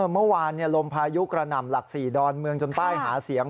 เมื่อวานลมพายุกระหน่ำหลัก๔ดอนเมืองจนใต้หาเสียง